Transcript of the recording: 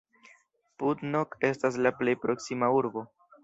Putnok estas la plej proksima urbo.